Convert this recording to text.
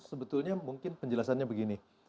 sebetulnya mungkin penjelasannya begini